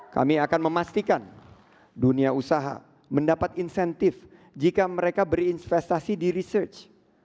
kami akan memastikan dunia usaha mendapat insentif jika mereka berinvestasi di research